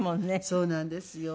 そうなんですよ。